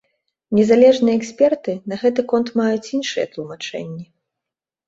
Незалежныя эксперты на гэты конт маюць іншыя тлумачэнні.